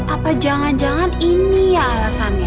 apa jangan jangan ini ya alasannya